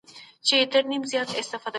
احمد پرون په دغه غونډې کي وو.